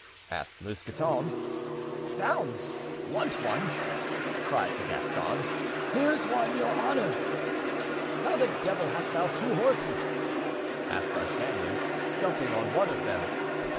asked Mousqueton. "Zounds! want one!" cried the Gascon. "Here's one, your honor——" "How the devil hast thou two horses?" asked D'Artagnan, jumping on one of them.